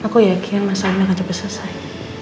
aku yakin masalah ini akan bisa selesai